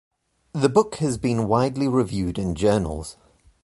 The book has been widely reviewed in journals.